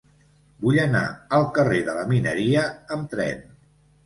Vull anar al carrer de la Mineria amb tren.